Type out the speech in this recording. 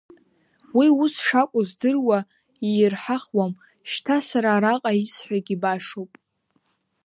Уи ус шакәу здыруа иирҳахуам, шьҭа сара араҟа исҳәогьы башоуп.